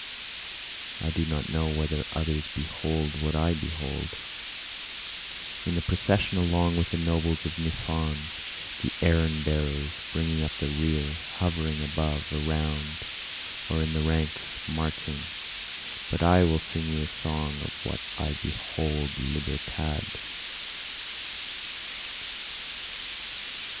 I do not know whether others behold what I behold, In the procession along with the nobles of Niphon, the errand bearers, Bringing up the rear, hovering above, around, or in the ranks marching, But I will sing you a song of what I behold Libertad.